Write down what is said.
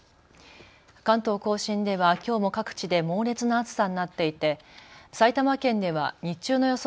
関東甲信では、きょうも各地で猛烈な暑さになっていて埼玉県では日中の予想